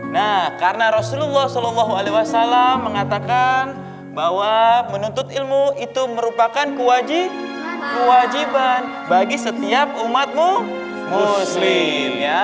nah karena rasulullah saw mengatakan bahwa menuntut ilmu itu merupakan kewajiban bagi setiap umatmu muslim